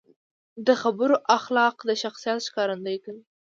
د خبرو اخلاق د شخصیت ښکارندويي کوي.